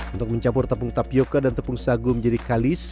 untuk mencampur tepung tapioca dan tepung sagu menjadi kalis